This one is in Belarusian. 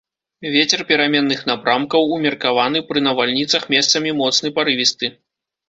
Вецер пераменных напрамкаў, умеркаваны, пры навальніцах месцамі моцны парывісты.